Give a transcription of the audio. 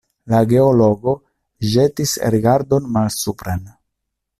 La geologo ĵetis rigardon malsupren.